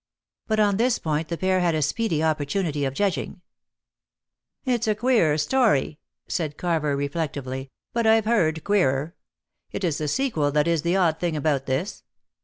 But on this point the pair had a speedy opportunity of judging. "It's a queer story," said Carver reflectively, "but I've heard queerer. It is the sequel that is the odd thing about this.